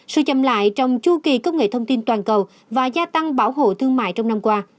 sự chậm lại trong chu kỳ công nghệ thông tin toàn cầu và gia tăng bảo hộ thương mại trong năm qua